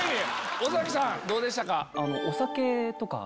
尾崎さんどうでしたか？